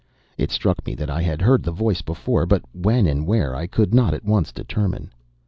It struck me that I had heard the voice before, but when and where I could not at once determine.